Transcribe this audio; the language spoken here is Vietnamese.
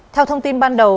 theo thông tin ban đầu